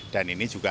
dan ini juga